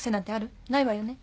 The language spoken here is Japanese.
ないわよね？